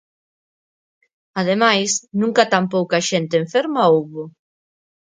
Ademais, nunca tan pouca xente enferma houbo.